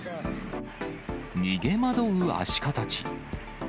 逃げ惑うアシカたち。